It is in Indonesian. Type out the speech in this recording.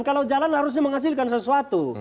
kalau jalan harusnya menghasilkan sesuatu